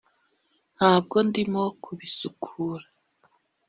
[s] ntabwo ndimo kubisukura